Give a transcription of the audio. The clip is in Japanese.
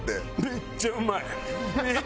めっちゃうまい！